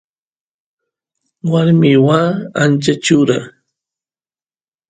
warmi waa ancha chura